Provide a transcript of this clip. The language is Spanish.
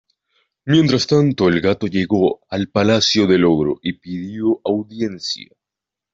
Mientras tanto el gato llegó al palacio del ogro y pidió audiencia.